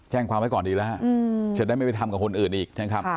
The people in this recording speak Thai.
แจ้งความไว้ก่อนดีแล้วจะได้ไม่ไปทำกับคนอื่นอีกนะครับ